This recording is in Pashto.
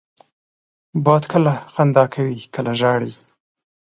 باد کله خندا کوي، کله ژاړي